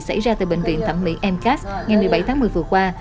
xảy ra tại bệnh viện thẩm mỹ em cát ngày một mươi bảy tháng một mươi vừa qua